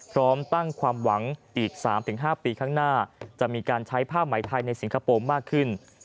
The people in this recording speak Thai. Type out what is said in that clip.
พร้อมตั้งความหวังอีก๓๕ปีข้างหน้าจะมีการใช้ผ้าไหมไทยในสิงคโปร์มากขึ้น